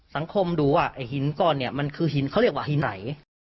สังคมดูว่าไอ้หินก้อนเนี่ยมันคือหินเขาเรียกว่าหินไหน